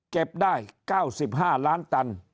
เก็บได้๙๕ล้านตัน